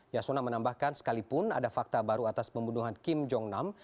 yasona menambahkan sekalipun ada fakta baru atas pembunuhan kim jong nam